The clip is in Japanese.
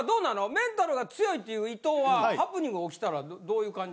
メンタルが強いっていう伊藤はハプニング起きたらどういう感じ？